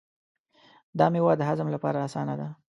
دا مېوه د هضم لپاره اسانه ده.